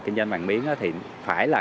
kinh doanh vàng miếng thì phải là